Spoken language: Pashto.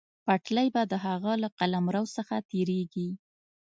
پټلۍ به د هغه له قلمرو څخه تېرېږي.